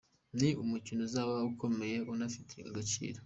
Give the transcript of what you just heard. Ni umukino uzaba ukomeye unafite agaciro.